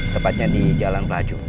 tepatnya di jalan pelaju